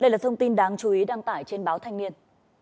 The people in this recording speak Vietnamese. đây là thông tin đáng chú ý đăng tải trên báo thanh niên